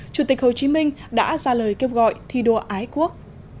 chủ tịch hồ chí minh đã ra lời kêu gọi thi đua ái quốc